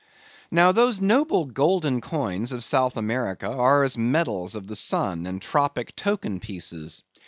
Now those noble golden coins of South America are as medals of the sun and tropic token pieces.